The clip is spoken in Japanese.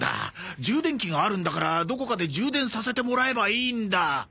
充電器があるんだからどこかで充電させてもらえばいいんだ！